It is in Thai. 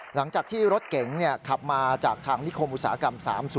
หลังจากที่รถเก๋งขับมาจากทางนิคมอุตสาหกรรม๓๐